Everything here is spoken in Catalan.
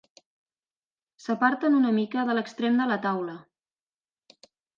S'aparten una mica de l'extrem de la taula.